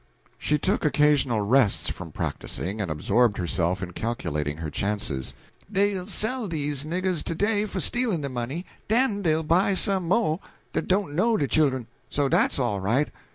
She took occasional rests from practising, and absorbed herself in calculating her chances. "Dey'll sell dese niggers to day fo' stealin' de money, den dey'll buy some mo' dat don't know de chillen so dat's all right.